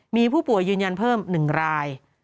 มีผู้ป่วยยืนยันเพิ่ม๑ราย